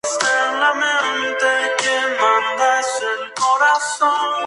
La versión japonesa de "Everybody Jam!